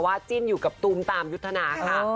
จิ้นอยู่กับตูมตามยุทธนาค่ะ